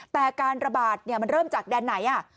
แต่การระบาดมันเริ่มจากแดนไหน